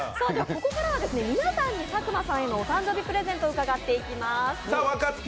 ここからは皆さんに佐久間さんへのお誕生日プレゼントを伺っていきます。